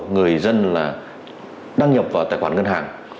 người dân đăng nhập vào tài khoản ngân hàng